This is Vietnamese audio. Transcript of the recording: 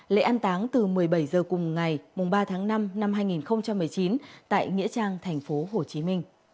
lễ an táng từ một mươi bảy h cùng ngày ba tháng năm năm hai nghìn một mươi chín tại nghĩa trang tp hcm